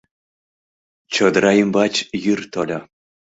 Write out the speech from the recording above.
Чодыра ӱмбач йӱр тольо